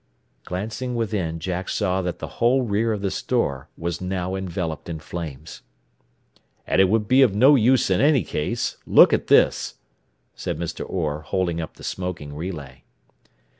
Glancing within Jack saw that the whole rear of the store was now enveloped in flames. "And it would be of no use in any case. Look at this," said Mr. Orr, holding up the smoking relay.